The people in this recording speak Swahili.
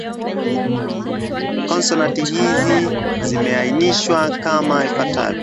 Konsonanti hizi zimeainishwa kama ifuatavyo: